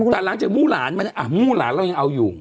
แต่หลังจากมู้หลานมาเนี่ยมู้หลานเรายังเอาอยู่